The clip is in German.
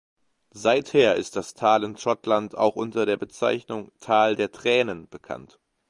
Seither ist das Tal in Schottland auch unter der Bezeichnung „Tal Der Tränen“ bekannt.